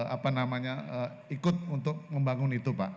apa namanya ikut untuk membangun itu pak